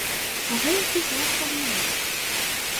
Каго ўсіх вас падман?